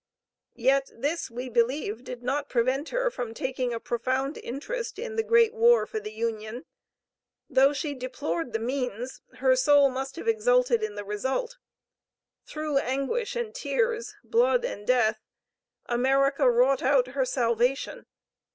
Yet this, we believe, did not prevent her from taking a profound interest in the great war for the Union; though she deplored the means, her soul must have exulted in the result. Through anguish and tears, blood and death America wrought out her salvation.